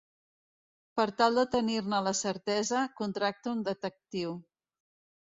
Per tal de tenir-ne la certesa, contracta un detectiu.